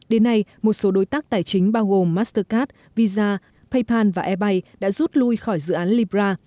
đến nay một số đối tác tài chính bao gồm mastercard visa paypal và airbay đã rút lui khỏi dự án libra